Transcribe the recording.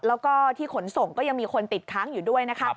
แล้วก็ที่ขนส่งก็ยังมีคนติดค้างอยู่ด้วยนะคะ